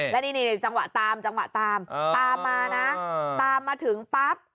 แล้วนี่จังหวะตามตามมานะตามมาถึงปั๊บ